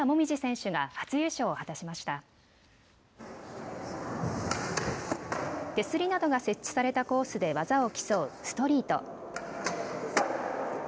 手すりなどが設置されたコースで技を競うストリート。